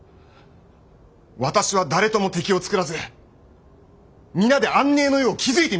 私は誰とも敵を作らず皆で安寧の世を築いてみせます！